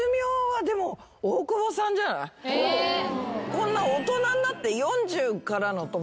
こんな大人になって。